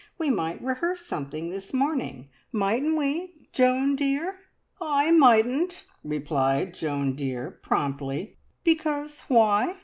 We might rehearse something this morning, mightn't we, Joan dear?" "I mightn't!" replied "Joan dear" promptly, "because why?